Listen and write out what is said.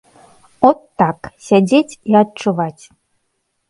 От так, сядзець і адчуваць.